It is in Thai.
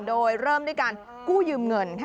โดยเริ่มด้วยการกู้ยืมเงิน